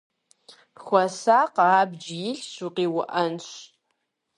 Хуэсакъ, абдж илъщ, укъиуӏэнщ.